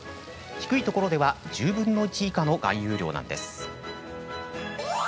低いところでは１０分の１以下の含有量なんです。